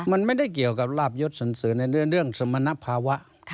มันไม่ได้เกี่ยวกับลาบยศหนังสือในเรื่องสมณภาวะ